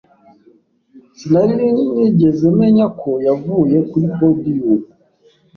Sinari nigezemenya ko yavuye kuri podiyumu